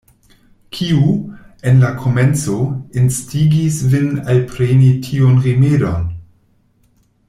Kiu, en la komenco, instigis vin alpreni tiun rimedon?